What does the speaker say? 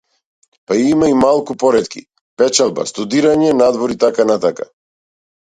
Па има и малку поретки, печалба, студирање надвор итн.